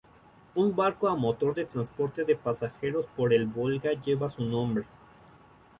Un barco a motor de transporte de pasajeros por el Volga lleva su nombre.